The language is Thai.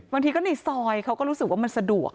บางทีก็ในซอยเขาก็รู้สึกว่ามันสะดวก